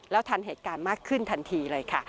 ทันเหตุการณ์มากขึ้นทันทีเลยค่ะ